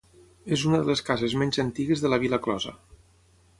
És una de les cases menys antigues de la vila closa.